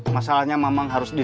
masalahnya mamang harus di